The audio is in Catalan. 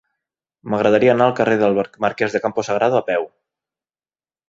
M'agradaria anar al carrer del Marquès de Campo Sagrado a peu.